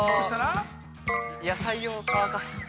野菜を乾かす。